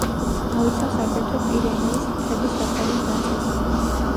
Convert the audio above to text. მოიცავს აგრეთვე პირენეის მთების დასავლეთ ნაწილს.